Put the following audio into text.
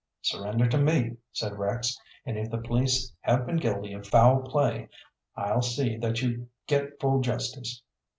'Surrender to me,' said Rex, 'and if the police have been guilty of foul play, I'll see that you get full justice.'